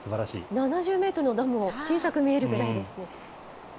７０メートルのダムも小さく見えるぐらいです。